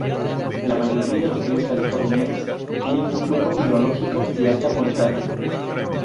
La mayoría de los ríos californianos tienen un flujo hidrológico de alta montaña.